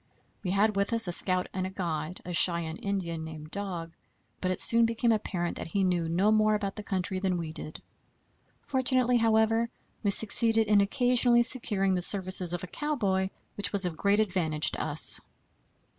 We had with us as a scout and guide a Cheyenne Indian, named Dog, but it soon became apparent that he knew no more about the country than we did. Fortunately, however, we succeeded in occasionally securing the services of a cowboy, which was of great advantage to us.